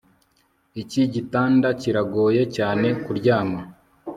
iki gitanda kiragoye cyane kuryama